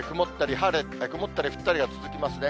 曇ったり降ったりが続きますね。